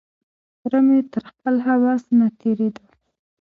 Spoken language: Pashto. تره مې تر خپل هوس نه تېرېدو.